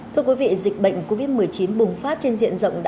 thưa quý vị dịch bệnh covid một mươi chín bùng phát trên diện rộng